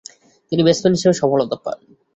তিনি ব্যাটসম্যান হিসেবে সফলতা পান।